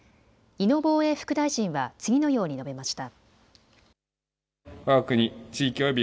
井野防衛副大臣は次のように述べました。